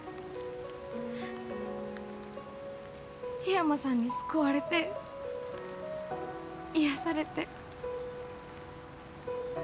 緋山さんに救われて癒やされて。